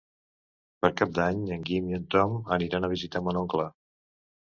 Per Cap d'Any en Guim i en Tom aniran a visitar mon oncle.